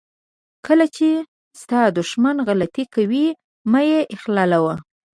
کله چې ستا دښمن غلطي کوي مه یې اخلالوه.